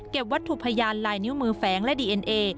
วัตถุพยานลายนิ้วมือแฝงและดีเอ็นเอ